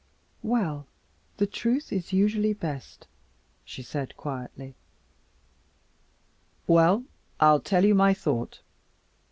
"Well, the truth is usually best," she said quietly. "Well, I'll tell you my thought.